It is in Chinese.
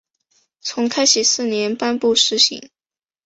从开禧四年颁布施行。